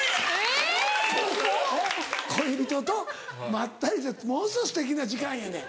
ホント⁉恋人とまったりってものすごいすてきな時間やねん。